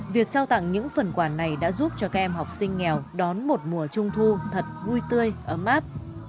việc trao tặng những phần quà này đã giúp cho các em học sinh nghèo đón một mùa trung thu thật vui tươi ấm áp